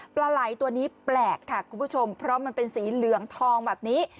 ปลาไหล่ตัวนี้แปลกค่ะคุณผู้ชมเพราะมันเป็นสีเหลืองทองแบบนี้